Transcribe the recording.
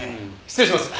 失礼します。